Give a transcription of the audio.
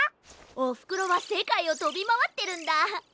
おふくろはせかいをとびまわってるんだ。